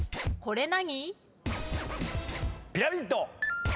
これ何？